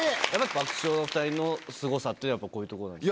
爆笑のお２人のすごさっていうのは、こういうところなんですか？